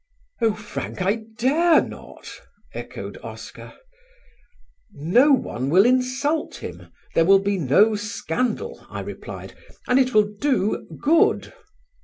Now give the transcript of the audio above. "Oh, Frank, I dare not," echoed Oscar. "No one will insult him. There will be no scandal," I replied, "and it will do good."